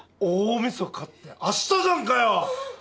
大晦日って明日じゃんかよ！